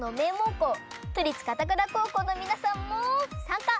こう都立片倉高校のみなさんもさんか！